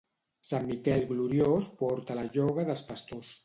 Sant Miquel gloriós porta la lloga dels pastors.